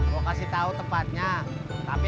yang mau ada di grup